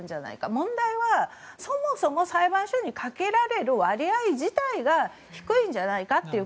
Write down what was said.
問題はそもそも裁判所にかけられる割合自体が低いんじゃないかと。